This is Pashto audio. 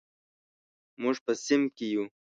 موږ په صنف کې یو.